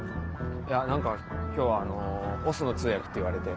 いや何か今日はあの押忍の通訳って言われて。